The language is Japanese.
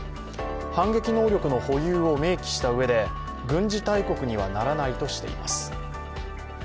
反撃能力の保有を明記したうえで軍事大国にはならないとしています。